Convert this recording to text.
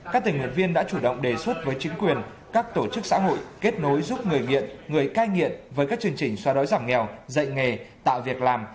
các tình nguyện viên đã chủ động đề xuất với chính quyền các tổ chức xã hội kết nối giúp người nghiện người cai nghiện với các chương trình xóa đói giảm nghèo dạy nghề tạo việc làm